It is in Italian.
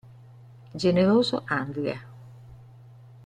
Generoso Andria